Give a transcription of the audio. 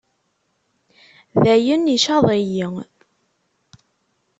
Dayen, icaḍ-iyi.